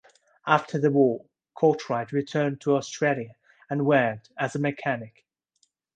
After the war, Cartwright returned to Australia and worked as a mechanic.